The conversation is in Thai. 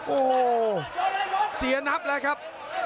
โอ้โหเสียนับแล้วครับ